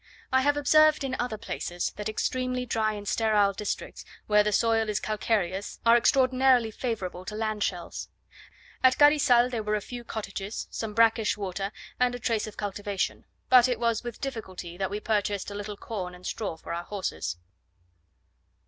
I have observed in other places that extremely dry and sterile districts, where the soil is calcareous, are extraordinarily favourable to land shells. At Carizal there were a few cottages, some brackish water, and a trace of cultivation: but it was with difficulty that we purchased a little corn and straw for our horses.